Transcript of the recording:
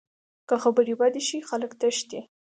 که خبرې بدې شي، خلک تښتي